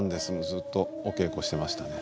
ずっとお稽古してましたね。